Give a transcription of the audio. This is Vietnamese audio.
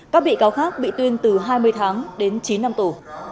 các bị cáo khác bị tuyên từ hai mươi tháng đến chín năm tù